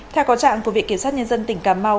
theo có trạng của viện kiểm sát nhân dân tỉnh cà mau